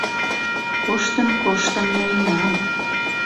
Коштын-коштын ноенам!